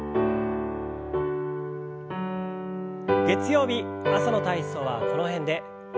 月曜日朝の体操はこの辺で。